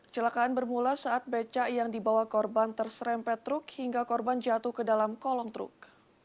celakaan bermula saat becak yang dibawa korban terserempet truk hingga korban jatuh ke dalam kolong truk